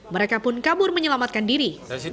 mereka pun kabur menyelamatkan diri